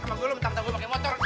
bentar bentar gua pakai motor